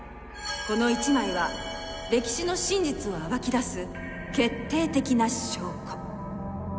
この一枚は歴史の真実を暴き出す決定的な証拠。